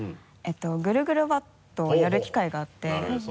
ぐるぐるバットやる機会があってなるへそ。